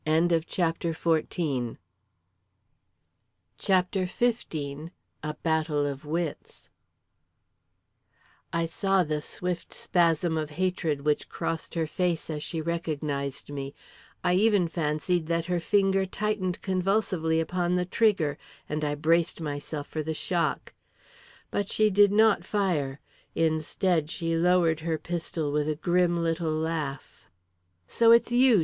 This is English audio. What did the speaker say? CHAPTER XV A Battle of Wits I saw the swift spasm of hatred which crossed her face, as she recognised me; I even fancied that her finger tightened convulsively upon the trigger, and I braced myself for the shock. But she did not fire. Instead, she lowered her pistol with a grim little laugh. "So it's you!"